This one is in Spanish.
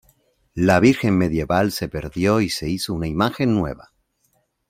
La Virgen medieval se perdió y se hizo una imagen nueva.